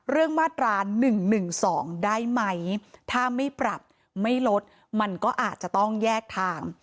มาตรา๑๑๒ได้ไหมถ้าไม่ปรับไม่ลดมันก็อาจจะต้องแยกทาง